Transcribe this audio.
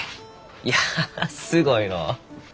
いやすごいのう。